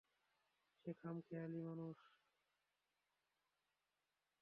সে খামখেয়ালি মানুষ।